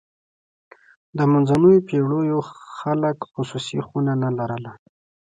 د منځنیو پېړیو خلک خصوصي خونه نه لرله.